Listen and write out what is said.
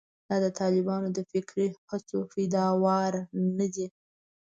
دا د طالبانو د فکري هڅو پیداوار نه دي.